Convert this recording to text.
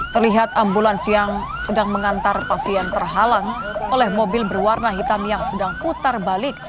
terlihat ambulans yang sedang mengantar pasien terhalang oleh mobil berwarna hitam yang sedang putar balik